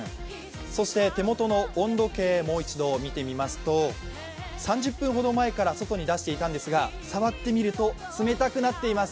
そして手元の温度計もう一度見てみますと３０分ほど前から外に出していたんですが触ってみると冷たくなっています。